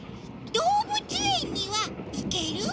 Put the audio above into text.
どうぶつえんにはいける？